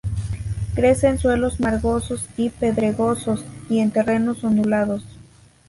Crece en suelos margosos y pedregosos, y en terrenos ondulados.